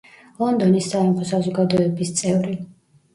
ლონდონის სამეფო საზოგადოების წევრი.